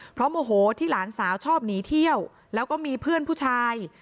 เพราะโมโหที่หลานสาวชอบหนีเที่ยวแล้วก็มีเพื่อนผู้ชาย